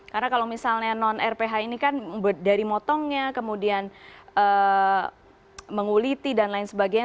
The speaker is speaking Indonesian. karena kalau misalnya non rph ini kan dari motongnya kemudian menguliti dan lain sebagainya